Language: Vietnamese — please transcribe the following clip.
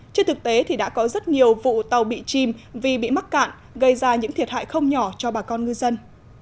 trên thực tế thì đã có rất nhiều vụ tàu bị chìm vì bị mắc cạn gây ra những thiệt hại không nhỏ cho bà con ngư dân